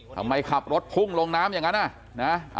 ทำไมขับรถพุ่งลงน้ำอย่างนั้นนะ